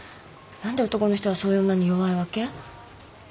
何で男の人はそういう女に弱いわけ？